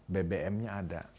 bbm nya ada